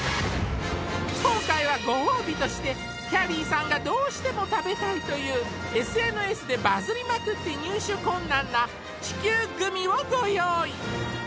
今回はご褒美としてきゃりーさんがどうしても食べたいというＳＮＳでバズりまくって入手困難な地球グミをご用意